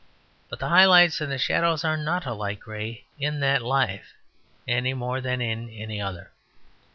But the high lights and the shadows are not a light grey in that life any more than in any other.